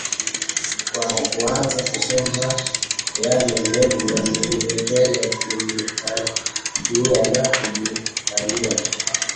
kwa kuanza kukosa yale mengi aliyoyapenda kunifanyia na kujifanyia